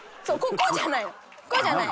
こうじゃない。